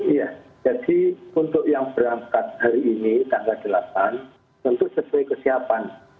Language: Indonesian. iya jadi untuk yang berangkat hari ini tanggal delapan tentu sesuai kesiapan